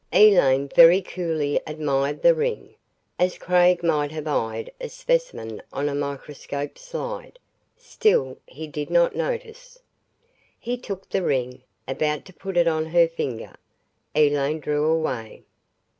Elaine very coolly admired the ring, as Craig might have eyed a specimen on a microscope slide. Still, he did not notice. He took the ring, about to put it on her finger. Elaine drew away.